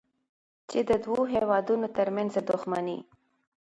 چې د دوو هېوادونو ترمنځ دوښمني